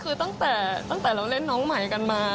คือตั้งแต่เราเล่นน้องใหม่กันมา